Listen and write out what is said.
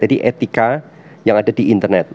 jadi etika yang ada di internet